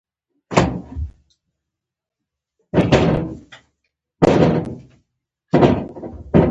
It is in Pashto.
غول د هاضمې وخت معلوموي.